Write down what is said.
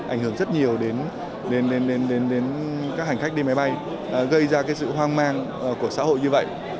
ảnh hưởng rất nhiều đến các hành khách đi máy bay gây ra sự hoang mang của xã hội như vậy